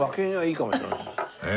え？